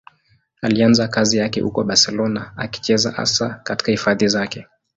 Alianza kazi yake huko Barcelona, akicheza hasa katika hifadhi zake.